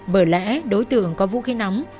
bởi lẽ đối tượng có vũ khí nóng